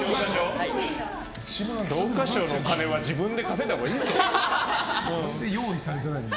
教科書のお金は自分で稼いだほうがいいんじゃないか？